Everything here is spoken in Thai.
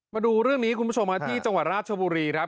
มาดูเรื่องนี้คุณผู้ชมที่จังหวัดราชบุรีครับ